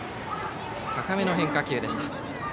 高めの変化球でした。